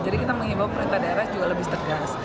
jadi kita mengingat pemerintah daerah juga lebih tegas